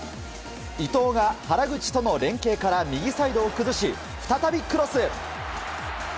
伊東が原口との連係から右サイドを崩し、再びクロス。